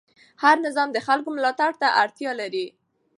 هر نظام د خلکو ملاتړ ته اړتیا لري